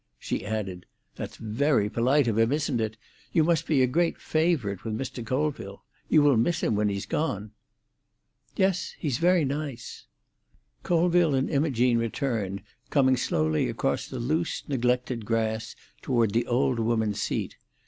She added, "That's very polite of him, isn't it? You must be a great favourite with Mr. Colville. You will miss him when he's gone." "Yes. He's very nice." Colville and Imogene returned, coming slowly across the loose, neglected grass toward the old woman's seat.